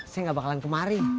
saya nggak bakalan kemari